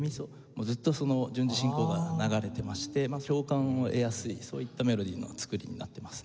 もうずっとその順次進行が流れてまして共感を得やすいそういったメロディーの作りになってますね。